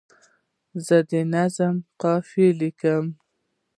زه د نظم قافیه لیکم.